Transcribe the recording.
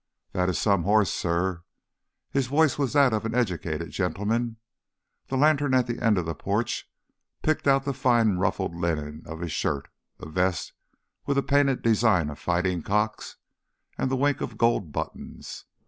"That is some horse, sir." His voice was that of an educated gentleman. The lantern at the end of the porch picked out the fine ruffled linen of his shirt, a vest with a painted design of fighting cocks, and the wink of gold buttons.